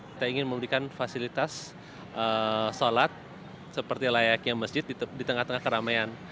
kita ingin memberikan fasilitas sholat seperti layaknya masjid di tengah tengah keramaian